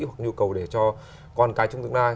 hoặc nhu cầu để cho con cái trong tương lai